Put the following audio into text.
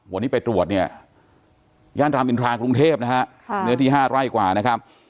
วันนี้ไปตรวจเนี่ยย่านรามอินทรากรุงเทพนะฮะเนื้อที่๕ไร่กว่านะครับ